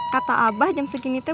kata abah jam segini itu